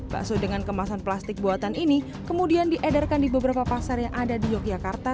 bakso dengan kemasan plastik buatan ini kemudian diedarkan di beberapa pasar yang ada di yogyakarta